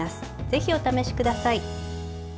ぜひお試しください。